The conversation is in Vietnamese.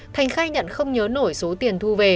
thành khai nhận không nhớ nổi số tiền thu về